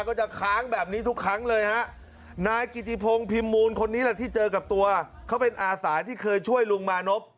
ก็จะค้างแบบนี้ทุกครั้งเลยฮะนายกิติพงศ์พิมมูลคนนี้แหละที่เจอกับตัวเขาเป็นอาสาที่เคยช่วยลุงมานพ